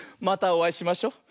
またおあいしましょ。